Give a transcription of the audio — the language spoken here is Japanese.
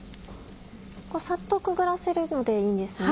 さっとくぐらせるのでいいんですね。